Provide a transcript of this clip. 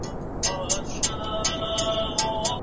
هلک له کړکۍ څخه د اوبو کوزه وغورځوله.